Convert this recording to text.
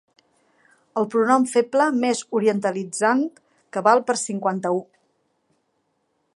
El pronom feble més orientalitzant que val per cinquanta-un.